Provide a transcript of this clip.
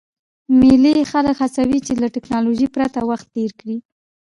مېلې خلک هڅوي، چي له ټکنالوژۍ پرته وخت تېر کي.